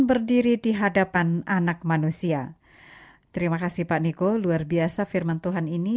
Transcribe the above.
terima kasih pak niko luar biasa firman tuhan ini